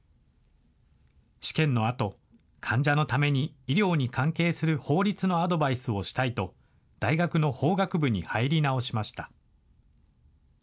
試験のあと、患者のために医療に関係する法律のアドバイスをしたいと、大学の法学部に入り直しました。